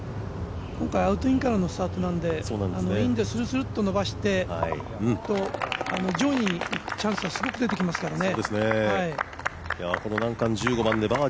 今回アウトインからのスタートなので、インでするするっと伸ばして上位にいくチャンスはすごく出てきますからね。